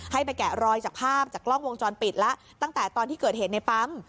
ให้ไปแกะรอยจากภาพจากกล้องวงจรปิดแล้วตั้งแต่ตอนที่เกิดเหตุในปั๊ม